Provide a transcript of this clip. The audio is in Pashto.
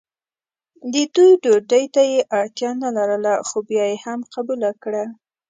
د دوی ډوډۍ ته یې اړتیا نه لرله خو بیا یې هم قبوله کړه.